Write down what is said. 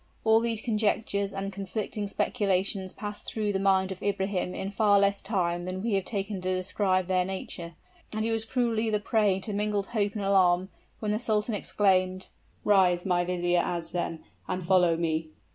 All these conjectures and conflicting speculations passed through the mind of Ibrahim in far less time than we have taken to describe their nature; and he was cruelly the prey to mingled hope and alarm, when the sultan exclaimed, "Rise, my Vizier Azem, and follow me."